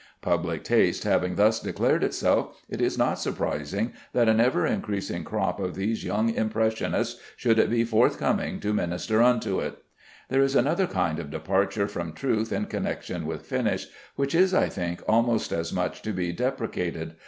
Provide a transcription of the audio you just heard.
Public taste having thus declared itself, it is not surprising that an ever increasing crop of these young "impressionists" should be forthcoming to minister unto it. There is another kind of departure from truth in connection with finish, which is, I think, almost as much to be deprecated.